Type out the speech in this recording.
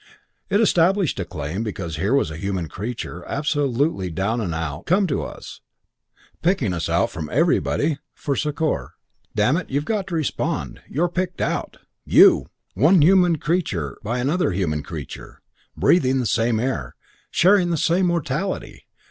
It established a claim because here was a human creature absolutely down and out come to us, picking us out from everybody, for succour. Damn it, you've got to respond. You're picked out. You! One human creature by another human creature. Breathing the same air. Sharing the same mortality.